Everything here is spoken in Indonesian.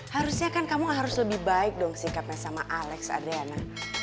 harusnya kan kamu harus lebih baik dong sikapnya sama alex adriana